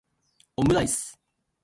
omuraisu